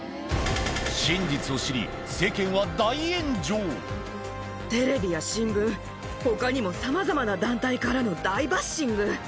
真実を知り、テレビや新聞、ほかにもさまざまな団体からの大バッシング。